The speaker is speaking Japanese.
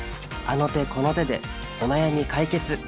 あの手この手でお悩み解決。